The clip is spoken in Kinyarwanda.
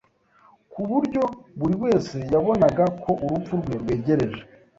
kuburyo buri wese yabonaga ko urupfu rwe rwegereje